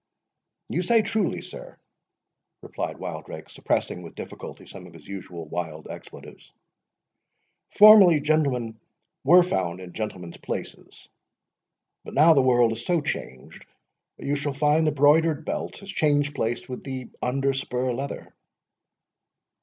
"You say truly, sir," replied Wildrake, suppressing, with difficulty, some of his usual wild expletives; "formerly gentlemen were found in gentlemen's places, but now the world is so changed that you shall find the broidered belt has changed place with the under spur leather."